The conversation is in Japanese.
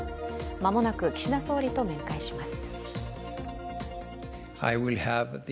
まもなく岸田総理と面会します。